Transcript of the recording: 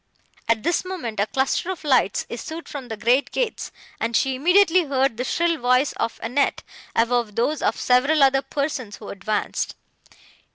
At this moment a cluster of lights issued from the great gates, and she immediately heard the shrill voice of Annette above those of several other persons, who advanced.